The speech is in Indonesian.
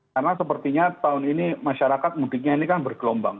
karena sepertinya tahun ini masyarakat mudiknya ini kan bergelombang